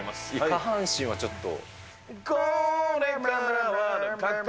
下半身はちょっと。